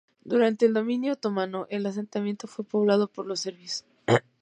Durante el dominio Otomano, el asentamiento fue poblado por los Serbios.